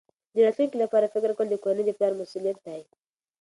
د راتلونکي لپاره فکر کول د کورنۍ د پلار مسؤلیت دی.